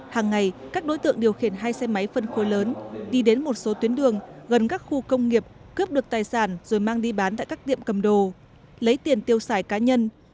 hàng ngày các đối tượng điều khiển hai xe máy phân khối lớn đi đến một số tuyến đường gần các khu công nghiệp cướp được tài sản rồi mang đi bán tại các tiệm cầm đồ lấy tiền tiêu xài cá nhân